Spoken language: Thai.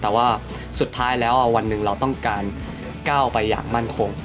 แต่ว่าสุดท้ายแล้ววันหนึ่งเราต้องการก้าวไปอย่างมั่นคง